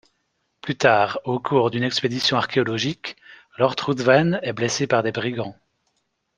Plus tard, au cours d'une expédition archéologique, Lord Ruthven est blessé par des brigands.